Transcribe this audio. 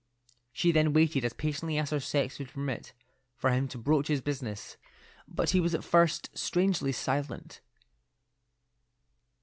She then waited as patiently as her sex would permit, for him to broach his business, but he was at first strangely silent.